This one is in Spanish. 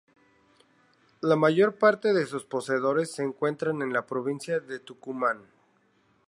La mayor parte de sus poseedores se encuentran en la Provincia de Tucumán.